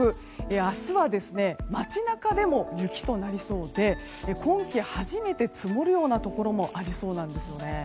明日は街中でも雪となりそうで今季初めて積もるようなところもありそうなんですね。